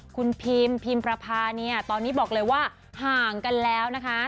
คุณพิมพิมประพาเนี่ยตอนนี้บอกเลยว่าห่างกันแล้วนะคะ